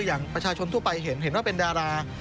อย่างประชาชนทั่วไปเห็นเห็นว่าเป็นดารา